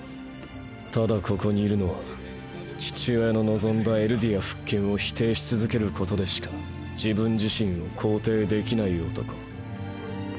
ただここにいるのは父親の望んだエルディア復権を否定し続けることでしか自分自身を肯定できない男。